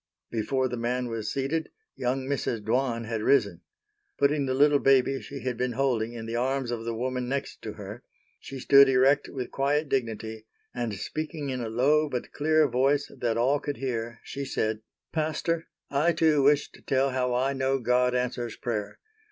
_" Before the man was seated, young Mrs. Dwan had risen. Putting the little baby she had been holding in the arms of the woman next to her, she stood erect with quiet dignity and speaking in a low but clear voice that all could hear, she said: "Pastor, I too wish to tell how I know God answers prayer.